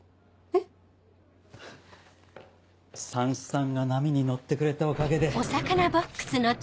えっ？さんしさんが波に乗ってくれたおかげで。